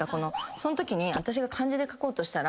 そのときに私が漢字で書こうとしたら。